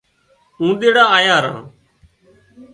آنهُوڙان آيان ران